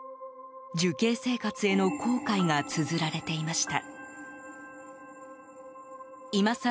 受刑生活への後悔がつづられていました。